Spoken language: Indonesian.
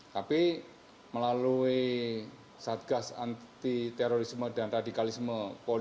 tapi melalui satgas anti terorisme dan radikalisme